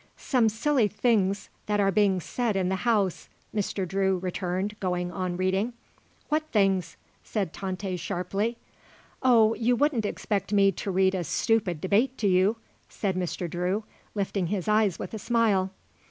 "Some silly things that are being said in the House," Mr. Drew returned, going on reading. "What things?" said Tante sharply. "Oh, you wouldn't expect me to read a stupid debate to you," said Mr. Drew, lifting his eyes with a smile.